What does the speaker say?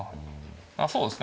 そうですね。